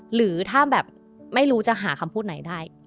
หรือถ้าแบบไม่รู้จะหาคำพูดไหนได้